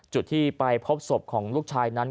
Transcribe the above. จุดที่ไปพบศพของลูกชายนั้น